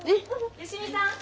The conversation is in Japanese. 芳美さん。